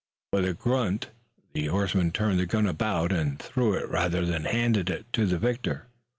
With a grunt the horseman turned the gun about and threw it rather than handed it to the victor.